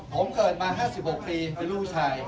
ผมเกิดมา๕๖ปีเป็นลูกผู้ชาย